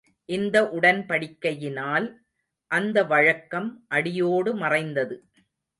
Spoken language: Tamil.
இந்த உடன்படிக்கையினால், அந்த வழக்கம் அடியோடு மறைந்தது.